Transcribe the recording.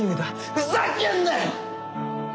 ふざけんなよ！